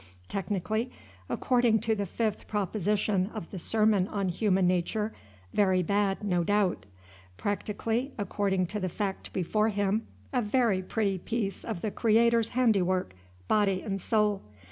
Technically, according to the fifth proposition of the sermon on Human Nature, very bad, no doubt. Practically, according to the fact before him, a very pretty piece of the Creator's handiwork, body and soul.